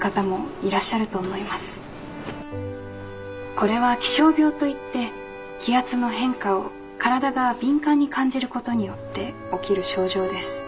これは気象病といって気圧の変化を体が敏感に感じることによって起きる症状です。